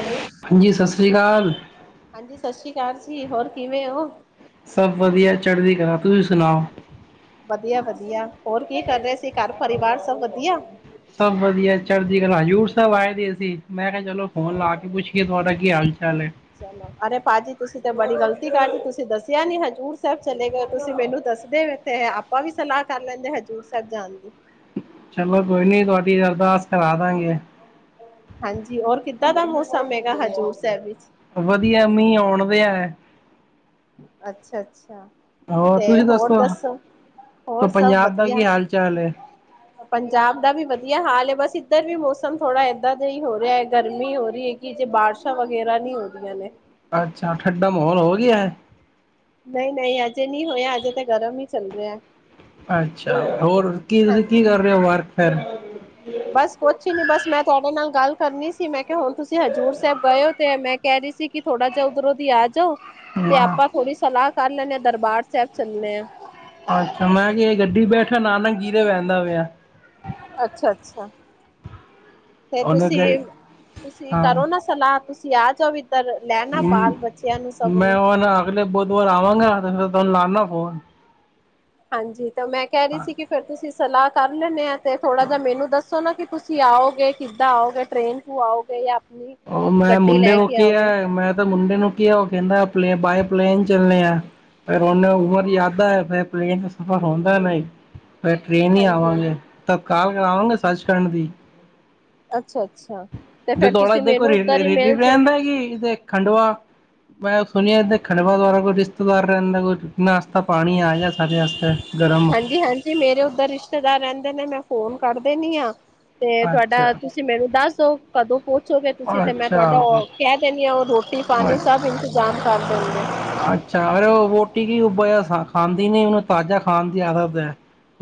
Hello ਹਾਂਜੀ, ਸਸ ਸ੍ਰੀ ਕਾਲ ਹਾਂਜੀ ਸਤਿ ਸ਼੍ਰੀ ਅਕਾਲ ਜੀ ਹੋਰ ਕਿਵੇਂ ਹੋ ਸਭ ਵਧੀਆ, ਚੜ੍ਹਦੀ ਕਲਾ। ਤੁਸੀਂ ਸੁਣਾਓ। ਵਧੀਆ-ਵਧੀਆ ਹੋਰ ਕੀ ਕਰ ਰਹੇ ਸੀ? ਘਰ ਪਰਿਵਾਰ ਸਭ ਵਧੀਆ ਸਭ ਵਧੀਆ ਚੜ੍ਹਦੀ ਕਲਾ ਹਜੂਰ ਸਭ ਆਏ ਦੇ ਸੀ ਮੈਂ ਕਿਹਾ ਚਲੋ ਫੋਨ ਲਾ ਕੇ ਪੁੱਛੀਏ ਤੁਹਾਡਾ ਕੀ ਹਾਲ-ਚਾਲ ਹੈ? ਚਲੋ ਅਰੇ ਭਾਜੀ ਤੁਸੀਂ ਤੇ ਬੜੀ ਗ਼ਲਤੀ ਕਰ ਲਈ ਤੁਸੀਂ ਦੱਸਿਆ ਨੀ ਹਜ਼ੂਰ ਸਾਹਿਬ ਚਲੇ ਗਏ। ਤੁਸੀਂ ਮੈਨੂੰ ਦੱਸਦੇ ਤੇ ਆਪਾਂ ਵੀ ਸਲਾਹ ਕਰ ਲੈਂਦੇ ਹਜ਼ੂਰ ਸਾਹਿਬ ਜਾਨ ਦੀ। ਚਲੋ ਕੋਈ ਨੀ ਤੁਹਾਡੀ ਅਰਦਾਸ ਕਰਾ ਦਾਂਗੇ ਹਾਂਜੀ, ਹੋਰ ਕਿੱਦਾਂ ਦਾ ਮੌਸਮ ਏ? [unintelligible] ਹਜ਼ੂਰ ਸਾਹਿਬ ਵਿੱਚ। ਵਧੀਆ ਮੀਂਹ ਆਉਣ ਵਇਆ ਐ। ਅੱਛਾ-ਅੱਛਾ। ਹੋਰ ਤੇ ਤੁਸੀਂ ਹੋਰ ਦੱਸੋ ਹੋਰ ਤਾਂ ਸਭ ਪੰਜਾਬ ਦਾ ਵਧੀਆ, ਕੀ ਹਾਲ ਚਾਲ ਹੈ ਪੰਜਾਬ ਦਾ ਵੀ ਵਧੀਆ ਹਾਲ ਹੈ ਬਸ ਇੱਧਰ ਵੀ ਮੌਸਮ ਥੋੜਾ ਏਦਾਂ ਦਾ ਹੀ ਹੋ ਰਿਹਾ ਹੈ ਗਰਮੀ ਹੋ ਰਹੀ ਹੈ ਕਿ ਜੇ ਬਾਰਿਸ਼ਾਂ ਵਗੈਰਾ ਨਹੀਂ ਹੋ ਰਹੀਆਂ ਨੇ। ਅੱਛਾ ਠੰਡਾ ਮਾਹੌਲ ਹੋ ਗਿਆ ਐ। ਨਹੀਂ-ਨਹੀਂ, ਅਜੇ ਨੀ ਹੋਇਆ ਅਜੇ ਤਾਂ ਗਰਮ ਹੀ ਚੱਲ ਰਿਹਾ। ਅੱਛਾ ਹੋਰ ਕੀ ਤੁਸੀਂ ਕੀ ਹਾਂਜੀ ਕਰ ਰਹੇ ਹੋ ਵਰਕ। ਫੇਰ ਬਸ ਕੋਛ ਨੀ ਬੱਸ ਮੈਂ ਤੁਹਾਡੇ ਨਾਲ ਗੱਲ ਕਰਨੀ ਸੀ, ਮੈਂ ਕਿਹਾ ਹੁਣ ਤੁਸੀਂ ਹਜ਼ੂਰ ਸਾਹਿਬ ਗਏ ਹੋ ਤੇ ਮੈਂ ਕਹਿ ਰਹੀ ਸੀ ਕਿ ਥੋੜ੍ਹਾ ਜਿਹਾ ਉੱਧਰੋਂ ਦੀ ਆਜ ਤੋ, ਤੇ ਹਾਂ ਆਪਾਂ ਥੋੜੀ ਸਲਾਹ ਕਰ ਲੈਂਨੇ ਦਰਬਾਰ ਸਾਹਿਬ ਚੱਲੇ ਆ। ਅੱਛਾ, ਮੈਂ ਕਿ ਗੱਡੀ ਬੈਠਾਂ ਨਾ ਮੈਂ ਜੀਰੇ ਬੈਨਾ ਪਿਆ ਅੱਛਾ-ਅੱਛਾ ਤੇ ਉਹਨੇ ਗ ਤੁਸੀਂ, ਤੁਸੀਂ ਕਰੋ ਨਾ ਸਲਾਹ ਆਪਸ ਵਆ ਚੋ ਵੀ ਹੂੰ, ਮੈਂ ਨੂੰ ਹੂਨ ਅਗਲੇ ਬੁੱਧਵਾਰ ਆਵਾਂਗਾ ਫੇਰ ਤੁਹਾਨੂੰ ਲਾਨਾ ਫੋਨ ਹਾਂਜੀ। ਪਰ ਮੈਂ ਕਹਿ ਰਹੀ ਸੀ ਕਿ ਫੇਰ ਤੁਸੀਂ- ਸਲਾਹ ਕਰ ਲੈਂਨੇ ਐ ਤੇ ਥੋੜ੍ਹਾ ਜਿਹਾ ਮੈਨੂੰ ਦੱਸੋ ਨਾ ਕਿ ਤੁਸੀਂ ਆਓਗੇ। ਕਿੱਦਾਂ ਆਓਗੇ? ਟ੍ਰਰੇਨ ਕੂ ਆਓਗੇ ਯਾ ਉਹ ਮੈਂ ਮੁੰਡੇ ਕਿਆ ਐ ਮੈਂ ਤਾਂ ਮੁੰਡੇ ਨੂੰ ਕੀਆ ਉਹ ਕਹਿੰਦਾ ਪਲੇਂ ਬਾਏ ਪਲੇਨ ਚੱਲਨੇ ਆ। ਫਿਰ ਉਹਨੇ ਉਮਰ ਯਾਦਾ ਐ ਫਿਰ ਪਲੇਨ ਦਾ ਸਫ਼ਰ ਹੁੰਦਾ ਨਹੀਂ। ਫੇਰ ਟ੍ਰਰੇਨ ਹੀ ਹਾਂਜੀ ਹਾਂਜੀ ਆਵਾਂਗੇ ਤ ਕਾਰ ਕਰਾਵਾਂ ਮੈਂ ਸੱਚ ਖੰਡ ਦੀ ਅੱਛਾ ਅੱਛਾ ਤੇ ਜੋ ਫੇਰ ਤੁਸੀਂ ਦੌਲਾਦੇ ਕੋਈ ਮੈਨੂੰ ਉੱਧਰ ਰੇ ਰੇਲੀ ਈਮੇਲ ਚ ਰੈਂਦਾ ਗੀ ਇਦੇ ਖੰਡਵਾ? ਮੈਂ ਸੁਣੀਆ ਇਥੇ ਖੰਡਵਾ ਤੁਆਡਾ ਕੋਈ ਰਿਸ਼ਤੇਦਾਰ ਰੈਂਦਾ ਕੋਈ ਨਾ ਹਾਂਜੀ-ਹਾਂਜੀ, ਮੇਰੇ ਓਦਰ ਰਿਸ਼ਤੇਦਾਰ ਰੈਂਦੇ ਨੇ ਮੈਂ ਫੋਨ ਕਾਰਦੇਨੀ ਆ ਤੇ ਤੁਆਡਾ ਅੱਛਾ, ਤੁਸੀਂ ਮੈਨੂੰ ਦੱਸਦੋ, ਕਦੋਂ ਪੋਚ ਜੋਗੇ ਤੁਸੀਂ ਤੇ ਮੈਂ ਤੁਆਡਾ ਅੱਛਾ, ਓ, ਕੈ ਦੇਣੀ ਆ ਓ ਰੋਟੀ-ਪਾਣੀ ਸਭ ਇੰਤਜ਼ਾਮ ਕਾਰ ਦਿੰਦੇ ਅੱਛਾ ਅਰੇ ਓ ਰੋਟੀ ਕੀ ਉਬੇਆ ਖਾਂਦੀ ਨੀ ਓਨੂੰ ਤਾਜਾ ਖਾਣ ਦੀ ਆਦਤ ਐ,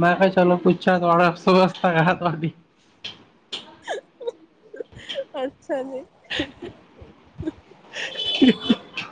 ਮੈਂ ਫੇਰ ਚਲੋ ਪੁੱਛੇਆ ਤੋਡਾ ਸਵਸਤ ਐ ਤੁਆਡੀ। [unintelligible] ਅੱਛਾ ਜੀ। [unintelligible]